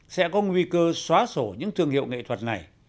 sẽ có nguy cơ xóa sổ những thương hiệu nghệ thuật này